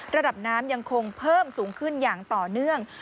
ระดับน้ำยังคงเพิ่มสูงขึ้นอย่างต่อเนื่อง